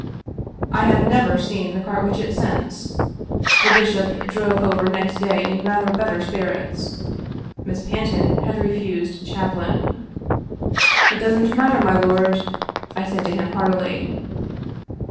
I have never seen the Carwitchets since. The bishop drove over next day in rather better spirits. Miss Panton had refused the chaplain. " It doesn't matter, my lord," I said to him heartily.